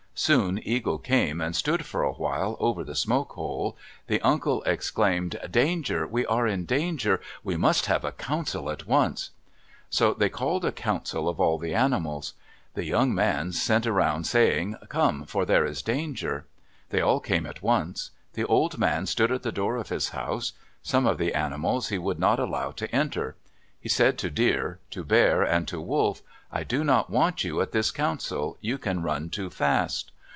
Soon Eagle came and stood for a while over the smoke hole. The uncle exclaimed, "Danger! We are in danger! We must have a council at once!" So they called a council of all the animals. The young man sent around saying, "Come, for there is danger!" They all came at once. The old man stood at the door of his house. Some of the animals he would not allow to enter. He said to Deer, to Bear, and to Wolf, "I do not want you at this council. You can run too fast."